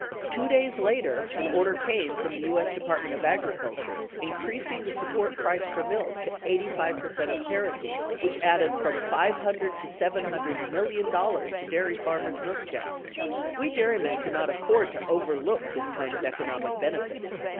Two days later an order came from the U.S. Depart ment of Agriculture increasing the support price for milk to 85 percent of parity, which added from $500 to $700 mil lion to dairy farmers milk checks. We dairymen cannot afford to overlook this kind of economic benefit.